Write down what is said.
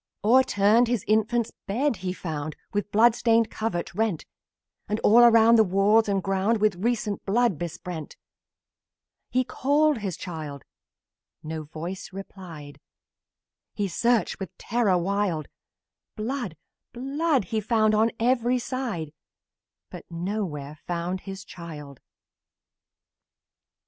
O'erturned his infant's bed he found, The blood stained covert rent; And all around, the walls and ground, With recent blood besprent. He called the child no voice replied; He searched, with terror wild; Blood! Blood! He found on every side, But nowhere found the child!